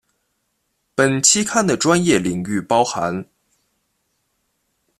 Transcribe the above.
本期刊的专业领域包含